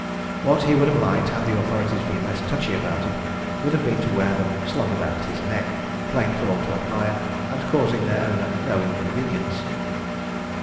What he would have liked, had the Authorities been less touchy about it, would have been to wear them slung about his neck, plain for all to admire, and causing their owner no inconvenience.